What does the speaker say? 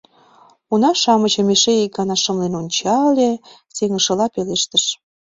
Уна-шамычым эше ик гана шымлен ончале, сеҥышыла пелештыш: